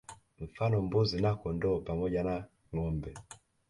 Mfano Mbuzi na Kondoo pamoja na Ngombe